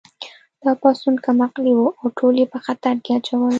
دا پاڅون کم عقلې وه او ټول یې په خطر کې اچول